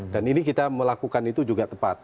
dan ini kita melakukan itu juga tepat